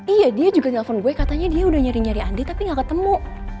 iya dia juga nelfon gue katanya dia udah nyari nyari andi tapi gak ketemu